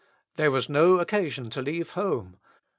There was no occasion to leave home.